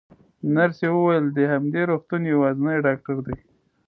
نرسې وویل: دی د همدې روغتون یوازینی ډاکټر دی.